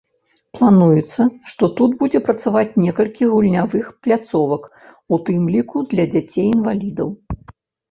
Плануецца, што тут будзе працаваць некалькі гульнявых пляцовак, у тым ліку для дзяцей-інвалідаў.